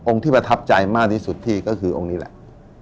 ที่ประทับใจมากที่สุดที่ก็คือองค์นี้แหละ